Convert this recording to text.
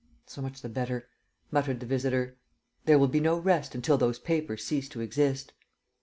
"So much the better," muttered the visitor. "There will be no rest until those papers cease to exist."